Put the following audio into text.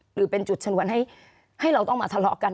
หรือเป็นจุดชนวนให้เราต้องมาทะเลาะกัน